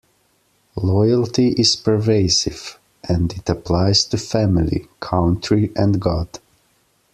Loyalty is pervasive, and it applies to family, country and God.